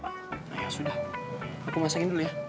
ayo sudah aku masakin dulu ya